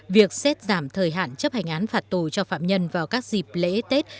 việc xét giảm thời hạn chấp hành án phạt tù cho phạm nhân vào các dịp lễ tết